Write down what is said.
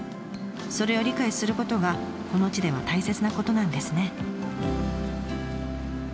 それを理解することがこの地では大切なことなんですね。